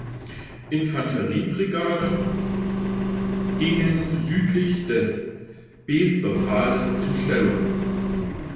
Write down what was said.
Infanterie-Brigade gingen südlich des Besder-Tales in Stellung.